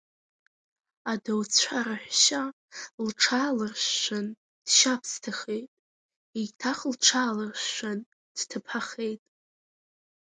Адауцәа раҳәшьа лҽаалыршәшәан, дшьабсҭахеит, еиҭах лҽаалыршәшәан, дҭыԥҳахеит.